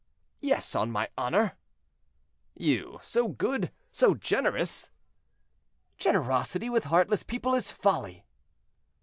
"Yes, on my honor." "You, so good—so generous!" "Generosity with heartless people is folly."